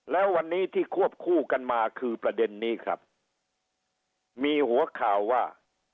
แล้ววันนี้ที่ควบคู่กันมาคือประเด็นนี้ครับมีหัวข่าวว่า